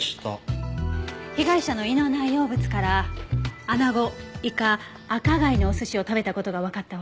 被害者の胃の内容物から穴子イカ赤貝のお寿司を食べた事がわかったわ。